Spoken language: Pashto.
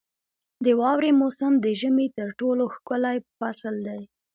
• د واورې موسم د ژمي تر ټولو ښکلی فصل دی.